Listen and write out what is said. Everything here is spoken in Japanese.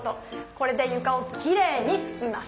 これでゆかをきれいにふきます。